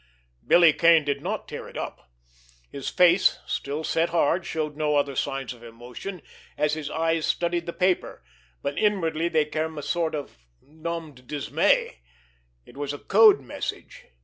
Billy Kane did not tear it up. His face, still set hard, showed no other signs of emotion, as his eyes studied the paper, but inwardly there came a sort of numbed dismay. It was a code message.